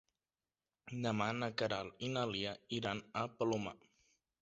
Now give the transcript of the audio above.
Demà na Queralt i na Lia iran al Palomar.